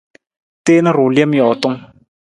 Teen ruu lem jootung.